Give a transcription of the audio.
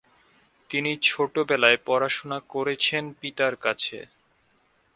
তিনি ছোটবেলায় পড়াশোনা করেছেন পিতার কাছে।